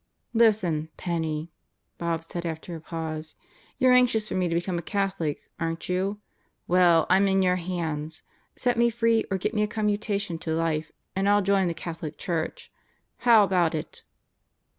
"Listen, Penney," Bob said after a pause. "You're anxious for me to become a Catholic, aren't you? Well, I'm in your hands. Set me free or get me a commutation to life, and I'll join the Catholic Church. How about it?"